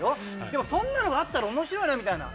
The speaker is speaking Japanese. でもそんなのがあったら面白いなみたいな。